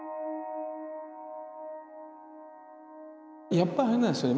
やっぱあれなんですよね